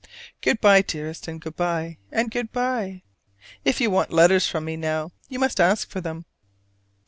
Good by, dearest, and good by, and good by! If you want letters from me now, you must ask for them!